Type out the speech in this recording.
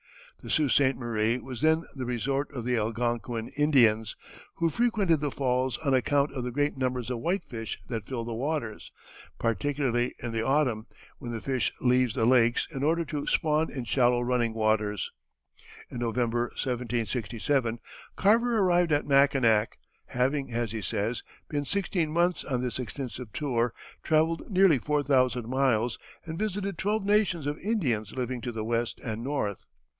The Sault Ste. Marie was then the resort of the Algonquin Indians, who frequented the falls on account of the great numbers of whitefish that filled the waters, particularly in the autumn, when that fish leaves the lakes in order to spawn in shallow running waters. In November, 1767, Carver arrived at Mackinac, having, as he says, "been sixteen months on this extensive tour, travelled nearly four thousand miles, and visited twelve nations of Indians living to the west and north.